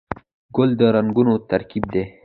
ګل د رنګونو ترکیب دی.